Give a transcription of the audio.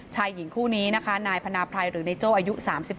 ชายหญิงคู่นี้นะคะนายพนาภัยหรือนายโจ้อายุ๓๗